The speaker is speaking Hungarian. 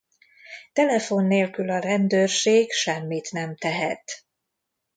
Telefon nélkül a rendőrség semmit nem tehet.